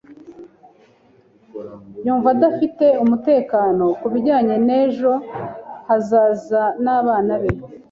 Yumvaga adafite umutekano ku bijyanye n’ejo hazaza h’abana be.